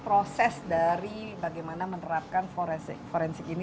proses dari bagaimana menerapkan forensik ini